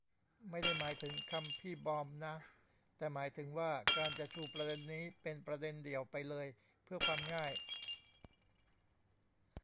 ไม่ได้หมายถึงคำพี่บอมนะ แต่หมายถึงว่า การจะชูประเด็นนี้เป็นประเด็นเดี่ยวไปเลย เพือความง่าย